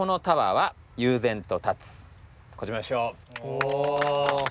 お！